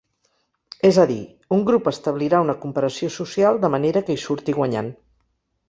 És a dir, un grup establirà una comparació social de manera que hi surti guanyant.